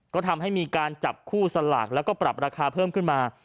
ก็ทำให้มีการจับคู่สลากแล้วก็ปรับราคาเพิ่มขึ้นมา